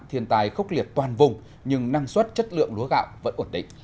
thiên tai khốc liệt toàn vùng nhưng năng suất chất lượng lúa gạo vẫn ổn định